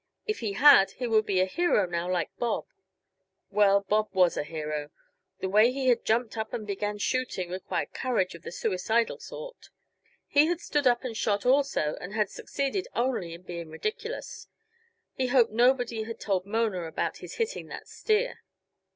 If he had, he would be a hero now, like Bob. Well, Bob was a hero; the way he had jumped up and begun shooting required courage of the suicidal sort. He had stood up and shot, also and had succeeded only in being ridiculous; he hoped nobody had told Mona about his hitting that steer.